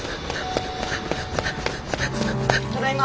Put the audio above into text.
ただいま。